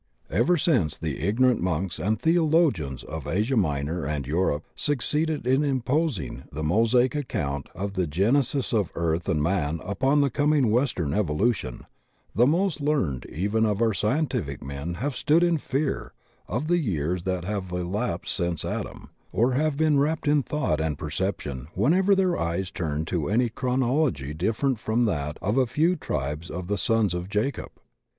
Ever since the ignorant monks and theologians of Asia Minor and Europe succeeded in imposing the Mosaic accoimt of the gen esis of earth and man upon the coming western evo lution, the most learned even of our scientific men have stood in fear of the years that have elapsed since Adam, or have been warped in thought and perception when ever their eyes turned to any chronology different from that of a few tribes of the sons of Jacob.